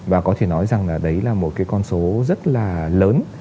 và có thể nói rằng là đấy là một cái con số rất là lớn